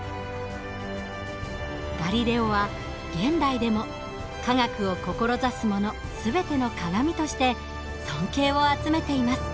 ガリレオは現代でも科学を志す者全ての鑑として尊敬を集めています。